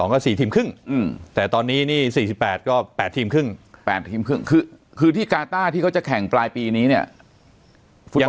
ก็๔ทีมครึ่งแต่ตอนนี้นี่๔๘ก็๘ทีมครึ่ง๘ทีมครึ่งคือที่กาต้าที่เขาจะแข่งปลายปีนี้เนี่ย